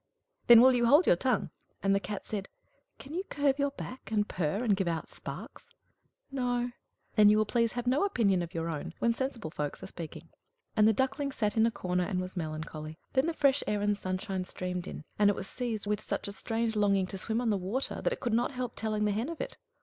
"Then will you hold your tongue!" And the Cat said, "Can you curve your back, and purr, and give out sparks?" "No." "Then you will please have no opinion of your own when sensible folks are speaking." And the Duckling sat in a corner and was melancholy; then the fresh air and the sunshine streamed in; and it was seized with such a strange longing to swim on the water, that it could not help telling the Hen of it.